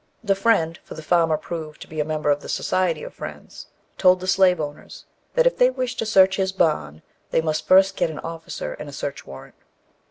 The Friend, for the farmer proved to be a member of the Society of Friends, told the slave owners that if they wished to search his barn, they must first get an officer and a search warrant.